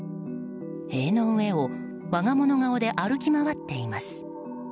塀の上を我が物顔で歩き回っています。